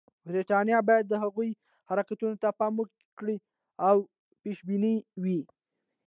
برټانیه باید د هغوی حرکتونو ته پام وکړي او پېشبینه وي.